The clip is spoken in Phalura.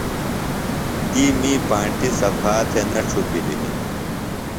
تی می پانٹیۡ صفا تھےۡ نہ ڇھوپِلیۡ ہِنیۡ۔